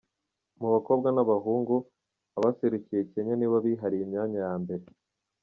Mu bakobwa n’abahungu, abaserukiye Kenya nibo bihariye imyanya ya mbere.